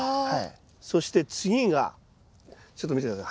そして次がちょっと見てください。